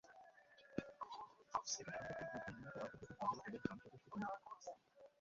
এটা সম্ভবপর হয়েছে মূলত আন্তর্জাতিক বাজারে তেলের দাম যথেষ্ট কমে যাওয়ায়।